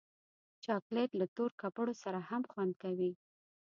چاکلېټ له تور کپړو سره هم خوند کوي.